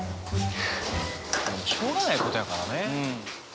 でもしょうがないことやからね。